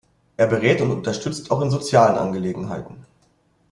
Er berät und unterstützt auch in sozialen Angelegenheiten.